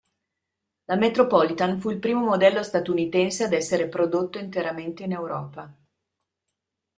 La Metropolitan fu il primo modello statunitense ad essere prodotto interamente in Europa.